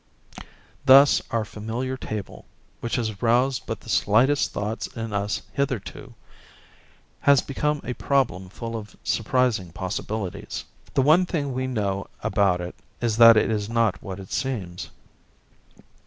Thus our familiar table, which has roused but the slightest thoughts in us hitherto, has become a problem full of surprising possibilities. The one thing we know about it is that it is not what it seems.